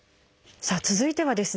さあ続いてはですね